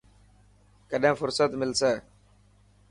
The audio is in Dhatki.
ڪڏهن فهرست ملسي.